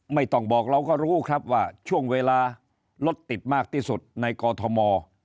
ไม่ต้องบอกเราก็รู้ครับว่าช่วงเวลารถติดมากที่สุดในกอทม